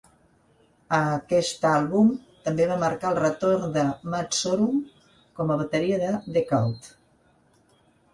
Aquest àlbum també va marcar el retorn de Matt Sorum com a bateria de The Cult.